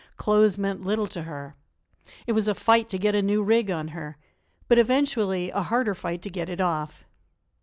Clothes meant little to her. It was a fight to get a new rig on her; but eventually a harder fight to get it off.